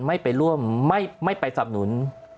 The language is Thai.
ไม่ไปร่วมไม่ไปสับหนุน